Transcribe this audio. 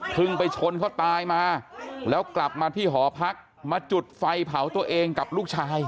ไปชนเขาตายมาแล้วกลับมาที่หอพักมาจุดไฟเผาตัวเองกับลูกชาย